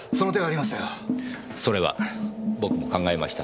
それは僕も考えました。